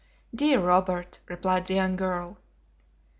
"Dear Robert!" replied the young girl.